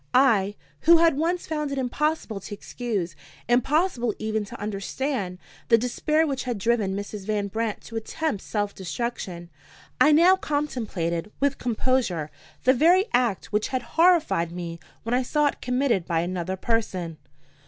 I, who had once found it impossible to excuse, impossible even to understand, the despair which had driven Mrs. Van Brandt to attempt self destruction I now contemplated with composure the very act which had horrified me when I saw it committed by another person.